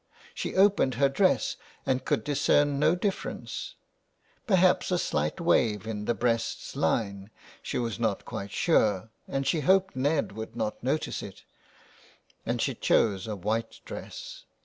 She opened her dress and could discern no difference ; perhaps a slight wave in the breast's line ; she was not quite sure 338 THE WILD GOOSE. and she hoped Ned would not notice it. And she chose a white dress.